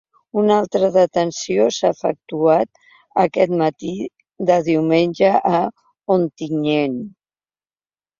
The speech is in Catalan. Una altra detenció s’ha efectuat aquest matí de diumenge a Ontinyent.